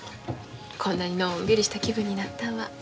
こんなにのんびりした気分になったんは。